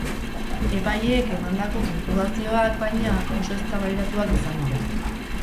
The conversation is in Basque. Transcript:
Epaileek emandako puntuazioak, baina, oso eztabaidatuak izan dira.